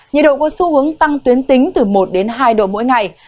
nhiệt độ có xu hướng tăng tuyến tính từ một đến hai độ mỗi ngày